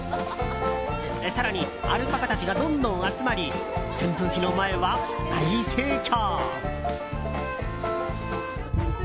更に、アルパカたちがどんどん集まり扇風機の前は大盛況。